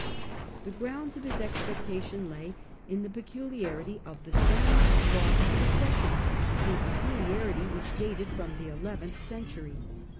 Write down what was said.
The grounds of his expectation lay in the peculiarity of the Spanish law of succession, a peculiarity which S anish law ^ ate< ^* rom eleventh century.